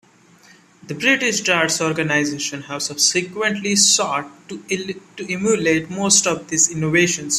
The British Darts Organisation have subsequently sought to emulate most of these innovations.